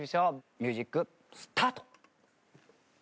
ミュージックスタート。